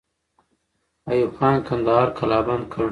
ایوب خان کندهار قلابند کړ.